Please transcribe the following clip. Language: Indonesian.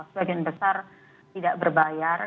sebagian besar tidak berbayar